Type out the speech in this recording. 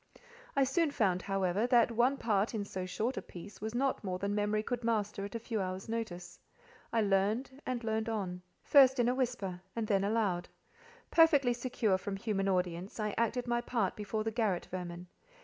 I soon found, however, that one part in so short a piece was not more than memory could master at a few hours' notice. I learned and learned on, first in a whisper, and then aloud. Perfectly secure from human audience, I acted my part before the garret vermin.